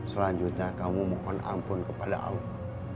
selanjutnya kamu mohon ampun kepada allah